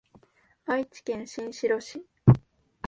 愛知県新城市